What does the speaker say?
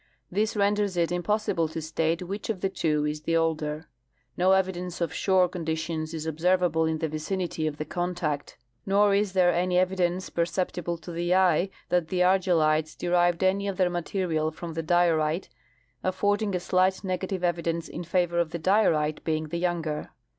This renders it impossible to state which of the two is the older. No evidence of shore conditions is observ able in the vicinity of the contact, nor is there any evidence per ceptible to the eye that the argillites derived any of their material from the diorite, affording a slight negative evidence in favor of the diorite being the younger.